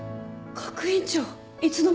学院長いつの間に？